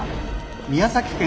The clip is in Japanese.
宮崎県